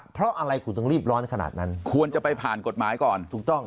เพราะอะไรคุณต้องรีบร้อนขนาดนั้นควรจะไปผ่านกฎหมายก่อนถูกต้อง